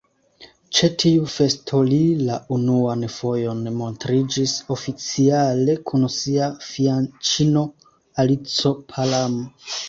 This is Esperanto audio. Ĉe tiu festo li la unuan fojon montriĝis oficiale kun sia fianĉino Alico Palam.